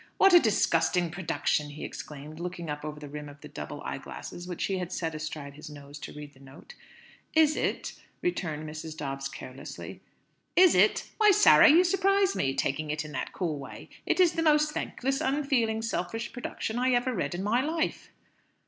"What a disgusting production!" he exclaimed, looking up over the rim of the double eyeglass which he had set astride his nose to read the note. "Is it?" returned Mrs. Dobbs carelessly. "Is it? Why, Sarah, you surprise me, taking it in that cool way. It is the most thankless, unfeeling, selfish production I ever read in my life."